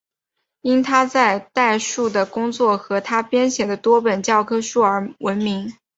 因他在代数的工作和他编写的多本教科书而闻名。